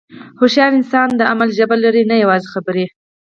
هوښیار انسان د عمل ژبه لري، نه یوازې خبرې.